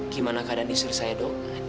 gimana keadaan istri saya dong